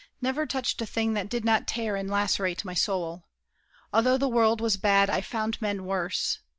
Never touched a thing That did not tear and lacerate my soul! Although the world was bad, I found men worse.